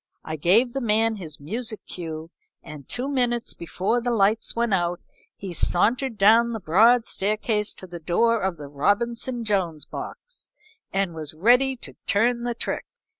I gave the man his music cue, and two minutes before the lights went out he sauntered down the broad staircase to the door of the Robinson Jones box, and was ready to turn the trick.